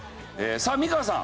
さあ美川さん。